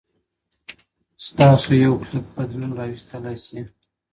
ستاسو یو کلیک بدلون راوستلی سي.